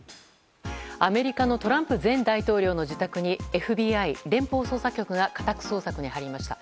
アメリカのトランプ前大統領の自宅にＦＢＩ・連邦捜査局が家宅捜索に入りました。